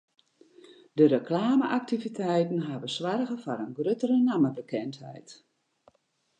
De reklame-aktiviteiten hawwe soarge foar in gruttere nammebekendheid.